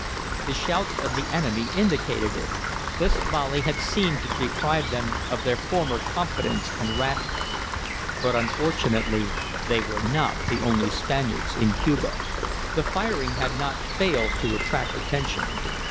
The shouts of the enemy indicated it; Clif's volley had seemed to deprive them of their former confidence and rashness. But unfortunately, they were not the only Spaniards in Cuba. The firing had not failed to attract attention.